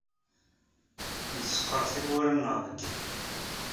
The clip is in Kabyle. Nsekkeṛ tiwwura-nneɣ deg yiḍ.